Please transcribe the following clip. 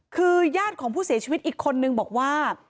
คือญาติของผู้เสียชีวิตอีกคนนึงบอกว่า